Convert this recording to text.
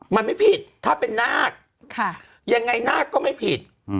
มันไม่ผิดถ้าเป็นนาคยังไงนาคก็ไม่ผิด